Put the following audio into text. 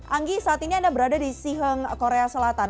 anggi saat ini anda berada di siheng korea selatan